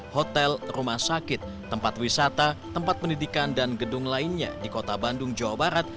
hotel rumah sakit tempat wisata tempat pendidikan dan gedung lainnya di kota bandung jawa barat